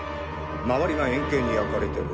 周りが円形に焼かれてる。